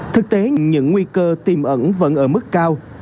thực tế những nguy cơ tiềm ẩn vẫn ở mức cao